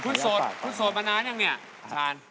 คุณโสดคุณโสดมานานยังเนี่ยชาญ